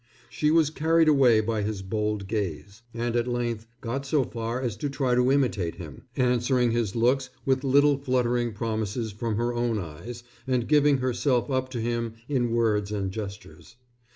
She was carried away by his bold gaze, and at length got so far as to try to imitate him, answering his looks with little fluttering promises from her own eyes, and giving herself up to him in words and gestures.